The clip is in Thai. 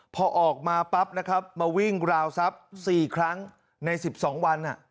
พอออกมาปั๊บนะครับมาวิ่งราวทรัพย์สี่ครั้งในสิบสองวันอ่ะ